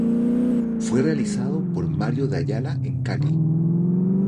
Fue realizado por Mario de Ayala en Cali.